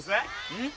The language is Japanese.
うん？